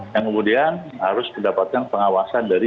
yang kemudian harus mendapatkan pengawasan dari